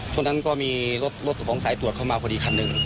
ช่วงนั้นก็มีรถของสายตรวจเข้ามาพอดีคันหนึ่ง